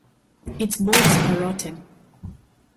Its boards are rotten.